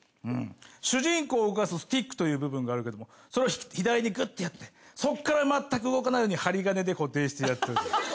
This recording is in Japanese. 主人公動かすスティックという部分があるけどもそれを左にグッとやってそこからまったく動かないように針金で固定してやったぜ。